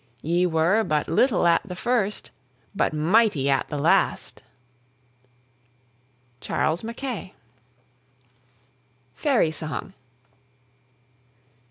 Ye were but little at the first, But mighty at the last. CHARLES MACKAY. FAIRY SONG.